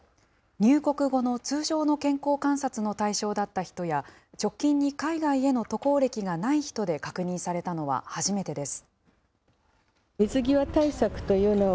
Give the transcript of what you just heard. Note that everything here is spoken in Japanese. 入国後の通常の健康観察の対象だった人や、直近に海外への渡航歴がない人で確認されたのは初めてです。